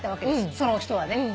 その人はね。